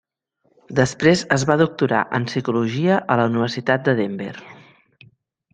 Després es va doctorar en psicologia a la Universitat de Denver.